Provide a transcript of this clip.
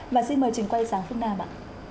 và xin mời trường quay sáng phương nam ạ